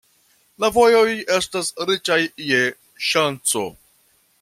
La vojoj estas riĉaj je ŝanco.